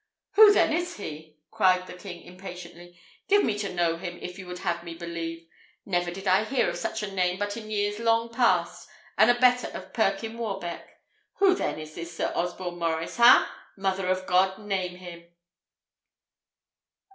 "Who then is he?" cried the king impatiently. "Give me to know him, if you would have me believe. Never did I hear of such a name but in years long past, an abettor of Perkyn Warbeck. Who then is this Sir Osborne Maurice ha? Mother of God! name him!"